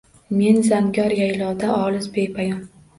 Men — zangor yaylovda olis, bepoyon